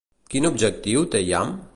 Quin objectiu té Yam?